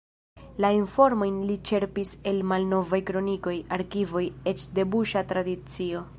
La informojn li ĉerpis el malnovaj kronikoj, arkivoj, eĉ de buŝa tradicio.